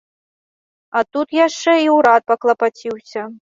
А тут яшчэ і ўрад паклапаціўся.